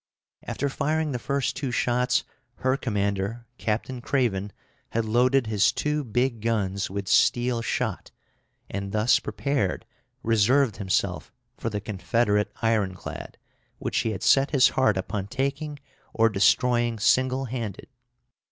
After firing the first two shots, her commander, Captain Craven, had loaded his two big guns with steel shot, and, thus prepared, reserved himself for the Confederate ironclad, which he had set his heart upon taking or destroying single handed.